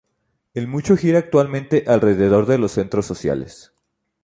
En mucho gira actualmente alrededor de los Centros sociales.